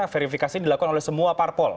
verifikasi dilakukan oleh semua parpol